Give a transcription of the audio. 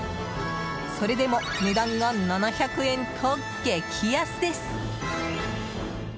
それでも値段が７００円と激安です！